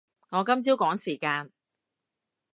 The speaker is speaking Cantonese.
我今朝趕時間